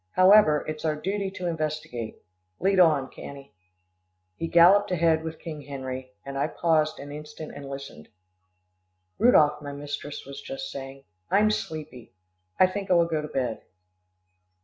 However, it's our duty to investigate. Lead on, Cannie." He galloped ahead with King Harry, and I paused an instant and listened. "Rudolph," my mistress was just saying, "I'm sleepy. I think I will go to bed."